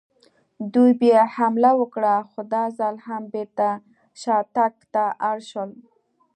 دوی بیا حمله وکړه، خو دا ځل هم بېرته شاتګ ته اړ شول.